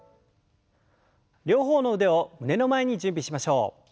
両方の腕を胸の前に準備しましょう。